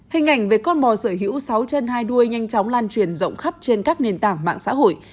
hình ảnh về con mò sở hữu sáu trên hai đuôi nhanh chóng lan truyền rộng khắp trên các nền tảng mạng xã hội